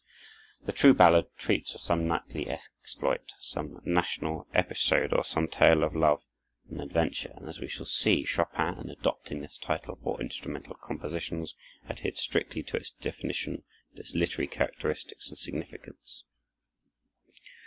The true ballad treats of some knightly exploit, some national episode, or some tale of love and adventure; and, as we shall see, Chopin, in adopting this title for instrumental compositions, adhered strictly to its definition and its literary characteristics and significance.